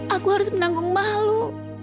aku harus menanggung malu